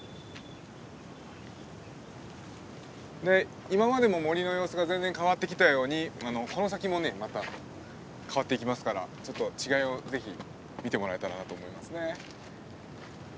で今までも森の様子が全然変わってきたようにこの先もねまた変わっていきますからちょっと違いをぜひ見てもらえたらなと思いますね。